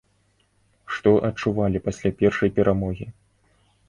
Што адчувалі пасля першай перамогі?